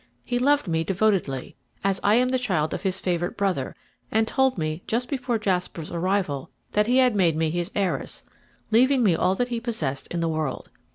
He loved me devotedly, as I am the child of his favourite brother, and told me just before Jasper's arrival that he had made me his heiress, leaving me all that he possessed in the world.